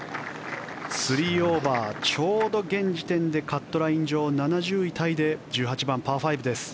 ３オーバー、ちょうど現時点でカットライン上、７０位タイで１８番、パー５です。